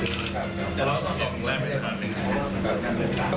แต่เราต้องส่องแม่มันกันเลยครับ